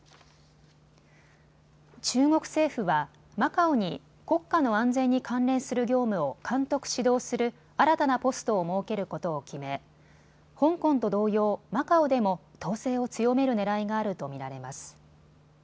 中国政府はマカオに国家の安全に関連する業務を監督、指導する新たなポストを設けることを決め香港と同様、マカオでも統制を強めるねらいがあると見られます。